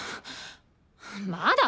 まだ！？